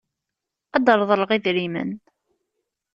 Ad d-reḍleɣ idrimen.